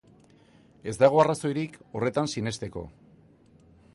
Ez dago arrazoirik horretan sinesteko.